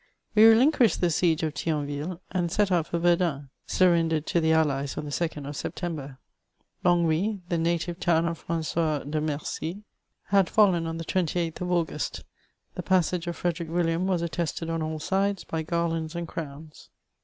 Ws refinqnished the siege of ThkmTille, and set oat for Verdim — surrendered to the alHes on the 2nd of Septemher. Longwy, the native town of Fran^oifl de Mercy, had £JIen on the 28th of August The passage of Fiederick William was attested on all sides by garlands and crowns.